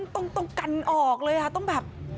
ต้องกันออกเลยค่ะต้องแบบ